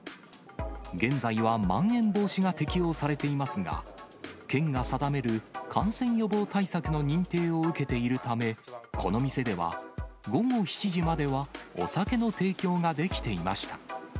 現在はまん延防止が適用されていますが、県が定める感染予防対策の認定を受けているため、この店では、午後７時まではお酒の提供ができていました。